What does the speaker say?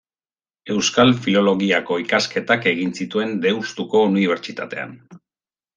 Euskal filologiako ikasketak egin zituen Deustuko Unibertsitatean.